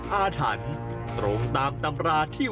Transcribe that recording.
หันล้วยหันล้วยหันล้วยหันล้วยหันล้วย